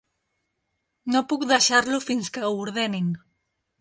No puc deixar-lo fins que ho ordenin.